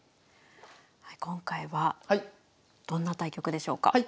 今回はどんな対局でしょうか？